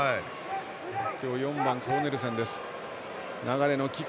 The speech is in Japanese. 今日、４番コーネルセンです。